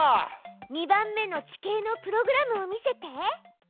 ２番目の地形のプログラムを見せて。